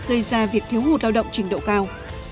gây ra việc thiếu hụt lao động trình độ cao